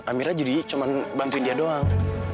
amirnya jadi cuma bantuin dia doang